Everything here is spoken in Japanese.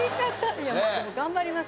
いやまあでも頑張ります。